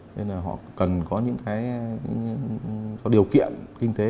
nên là họ cần có những cái điều kiện kinh tế